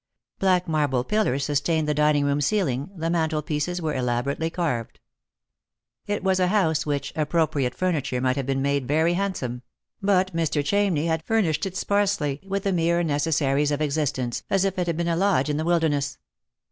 Black marble pillars sustained the dining room ceiling, the mantelpieces were elaborately carved. It was a house which, with appropriate furniture, might have been made very hand some ; but Mr. Chamney had furnished it sparsely with the mere necessaries of existence, as if it had been a lodge in the wilderness.